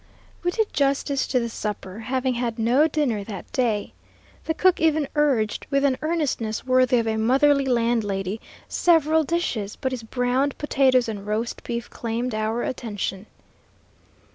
We did justice to the supper, having had no dinner that day. The cook even urged, with an earnestness worthy of a motherly landlady, several dishes, but his browned potatoes and roast beef claimed our attention.